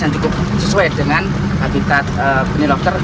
yang cukup sesuai dengan habitat benih lobster